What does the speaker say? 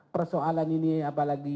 persoalan ini apalagi